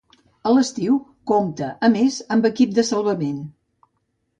A l'estiu compta a més amb equip de salvament.